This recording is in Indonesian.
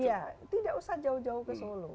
iya tidak usah jauh jauh ke solo